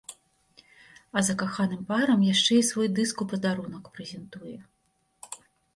А закаханым парам яшчэ і свой дыск у падарунак прэзентуе.